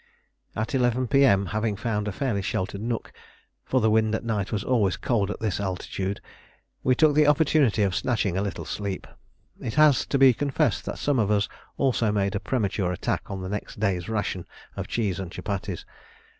At 11 P.M., having found a fairly sheltered nook (for the wind at night was always cold at this altitude), we took the opportunity of snatching a little sleep. It has to be confessed that some of us also made a premature attack on the next day's ration of cheese and chupatties.